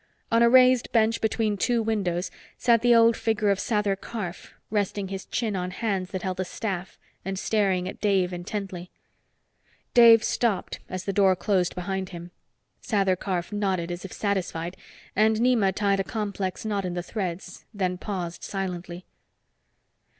On a raised bench between two windows sat the old figure of Sather Karf, resting his chin on hands that held a staff and staring at Dave intently. Dave stopped as the door closed behind him. Sather Karf nodded, as if satisfied, and Nema tied a complex knot in the threads, then paused silently.